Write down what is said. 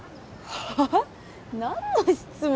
はあ？何の質問？